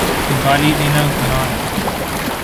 گالی دینا گناہ ہے۔